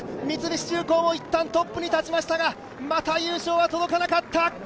三菱重工もいったんトップに立ちましたがまた優勝は届かなかった。